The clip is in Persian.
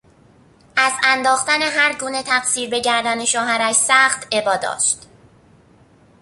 از انداختن هرگونه تقصیر به گردن شوهرش سخت ابا داشت.